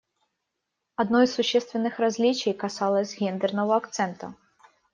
Одно из существенных различий касалось гендерного акцента.